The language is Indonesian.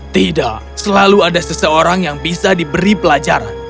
tidak selalu ada seseorang yang bisa diberi pelajaran